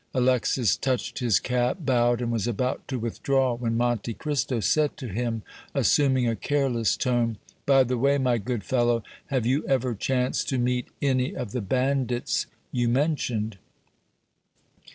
Alexis touched his cap, bowed and was about to withdraw when Monte Cristo said to him, assuming a careless tone: "By the way, my good fellow, have you ever chanced to meet any of the bandits you mentioned?"